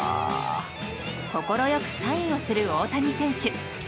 快くサインをする大谷選手。